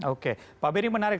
oke pak beni menarik